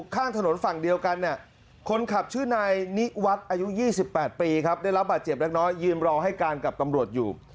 ไม่ได้รับบาดเจ็บแน่น้อยยืนรอให้การกับกำรวจอยู่